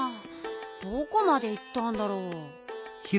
どこまでいったんだろう。